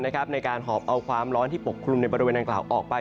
ในการหอบเอาความร้อนที่ปกคลุมในบริเวณดังกล่าวออกไป